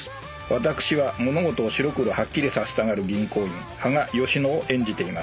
「私は物事を白黒はっきりさせたがる銀行員羽賀佳乃を演じています」